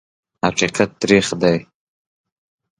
حقیقت تریخ دی .